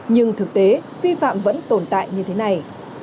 nhưng thực tế vi phạm vẫn tồn tại như thế này